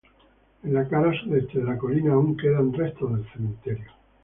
En la cara sudeste de la colina, aún quedan restos del cementerio.